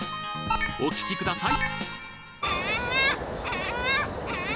お聞きください